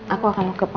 aku akan mencoba